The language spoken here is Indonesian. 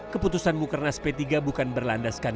keputusan mukernas p tiga bukan berlandaskan